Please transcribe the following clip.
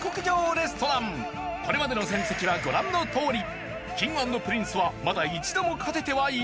これまでの戦績はご覧のとおりＫｉｎｇ＆Ｐｒｉｎｃｅはさぁ